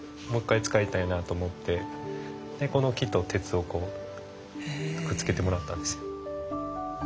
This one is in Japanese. もう一回使いたいなと思ってこの木と鉄をくっつけてもらったんです。